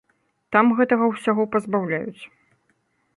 Там гэтага ўсяго пазбаўляюць.